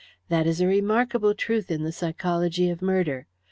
That is a remarkable truth in the psychology of murder.